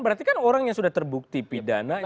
berarti kan orang yang sudah terbukti pidana